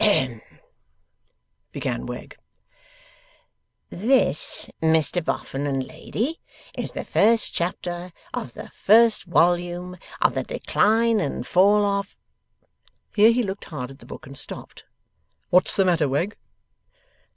'Hem!' began Wegg, 'This, Mr Boffin and Lady, is the first chapter of the first wollume of the Decline and Fall off ' here he looked hard at the book, and stopped. 'What's the matter, Wegg?